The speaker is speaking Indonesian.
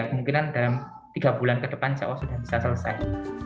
kemungkinan dalam tiga bulan ke depan jawa sudah bisa selesai